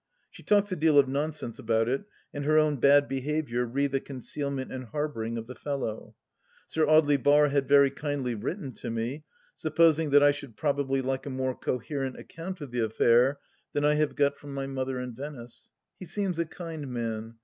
She talks a deal of nonsense about it and her own bad behaviour re the concealment and harbouring of the fellow. Sir Audely Bar had very kindly written to me, supposing that I should probably like a more coherent account of the affair than I have got from my mother and Venice. He seems a kind man.